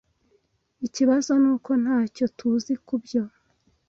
Ikibazo nuko ntacyo tuzi kubyo.